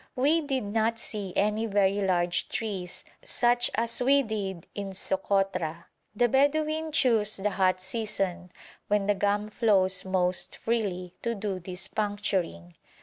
We did not see any very large trees, such as we did in Sokotra. The Bedouin choose the hot season, when the gum flows most freely, to do this puncturing.